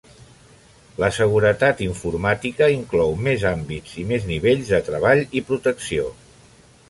La seguretat informàtica inclou més àmbits i més nivells de treball i protecció.